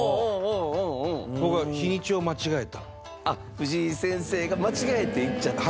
藤井先生が間違えて行っちゃった。